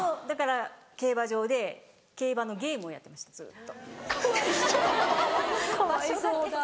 だから競馬場で競馬のゲームをやってましたずっと。